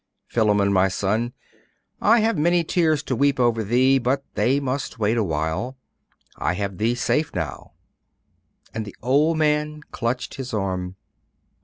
Philammon, my son.... I have many tears to weep over thee but they must wait a while, I have thee safe now,' and the old man clutched his arm.